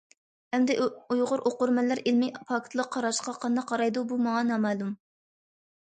ئەمدى ئۇيغۇر ئوقۇرمەنلەر ئىلمىي پاكىتلىق قاراشقا قانداق قارايدۇ، بۇ ماڭا نامەلۇم.